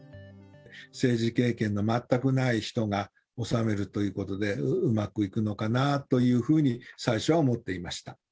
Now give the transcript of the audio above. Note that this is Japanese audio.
政治経験の全くない人が治めるということで、うまくいくのかなというふうに最初は思っていました。